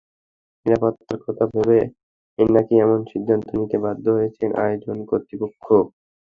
নিরাপত্তার কথা ভেবেই নাকি এমন সিদ্ধান্ত নিতে বাধ্য হয়েছেন আয়োজক কর্তৃপক্ষ।